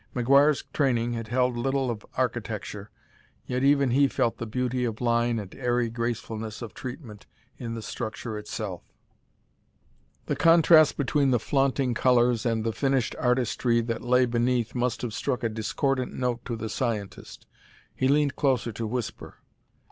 McGuire's training had held little of architecture, yet even he felt the beauty of line and airy gracefulness of treatment in the structure itself. The contrast between the flaunting colors and the finished artistry that lay beneath must have struck a discordant note to the scientist. He leaned closer to whisper.